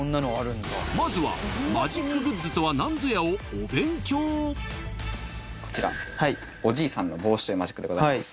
まずはマジックグッズとは何ぞやをお勉強こちらおじいさんの帽子というマジックでございます